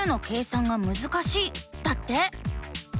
だって。